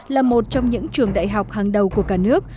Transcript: là một trong những trường đại học hàng đầu của cả nước